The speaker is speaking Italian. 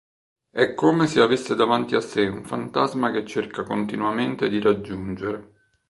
È come se avesse davanti a sé un fantasma che cerca continuamente di raggiungere.